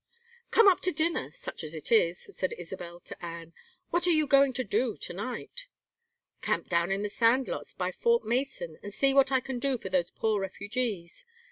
"Come up to dinner, such as it is," said Isabel, to Anne. "What are you going to do to night?" "Camp down in the sand lots by Fort Mason and see what I can do for those poor refugees.